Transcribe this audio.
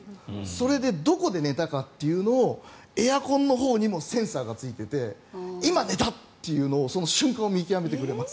それで、どこで寝たかというのをエアコンのほうにもセンサーがついていて今、寝たというのをその瞬間を見極めてくれます。